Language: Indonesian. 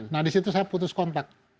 nah di situ saya putus kontak